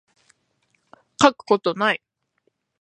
書くことない